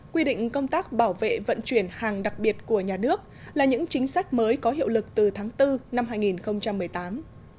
quy định công tác bảo vệ vận chuyển hàng đặc biệt của nhà nước là những chính sách mới có hiệu lực từ tháng bốn năm hai nghìn một mươi tám